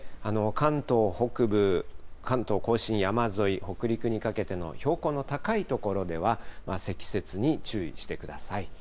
関東北部、関東甲信山沿い、北陸にかけての標高の高い所では、積雪に注意してください。